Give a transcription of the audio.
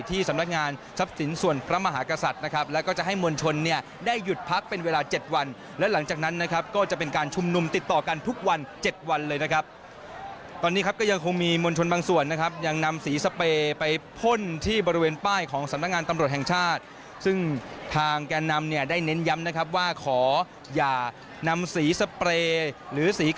ทรัพย์สินส่วนพระมหากษัตริย์นะครับแล้วก็จะให้มวลชนเนี่ยได้หยุดพักเป็นเวลาเจ็ดวันและหลังจากนั้นนะครับก็จะเป็นการชุมนุมติดต่อกันทุกวันเจ็ดวันเลยนะครับตอนนี้ครับก็ยังคงมีมวลชนบางส่วนนะครับยังนำสีสเปรย์ไปพ่นที่บริเวณป้ายของสำนักงานตำรวจแห่งชาติซึ่งทางแกนำเ